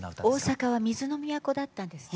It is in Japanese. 大阪は水の都だったんですね。